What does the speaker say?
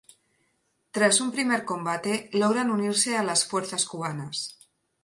Tras un primer combate, logran unirse a las fuerzas cubanas.